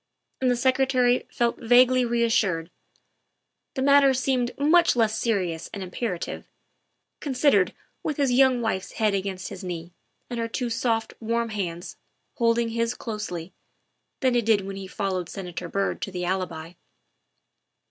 And the Secretary felt vaguely reassured; the matter seemed much less serious and imperative, considered with his young wife's head against his knee and her two soft, warm hands holding his closely, than it had done when he followed Senator Byrd to the Alibi.